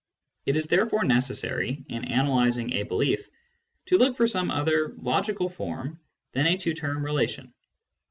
It is therefore necessary, in ' analysing a belief, to look for some other logical form than a two term relation.